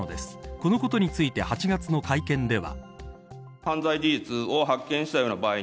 このことについて８月の会見では。